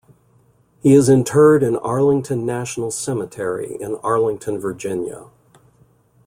He is interred in Arlington National Cemetery in Arlington, Virginia.